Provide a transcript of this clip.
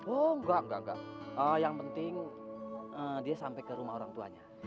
oh nggak nggak nggak yang penting dia sampai ke rumah orang tuanya